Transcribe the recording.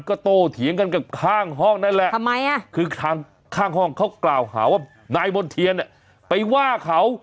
ก็โตเถียงกันกับข้างห้องนั่นแหละคือทางข้างห้องเขากล่าวหาว่านายมณ์เทียนเนี่ยไปว่าเขา